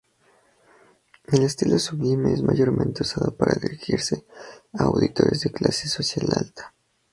El estilo sublime es mayormente usado para dirigirse a auditorios de clase social alta.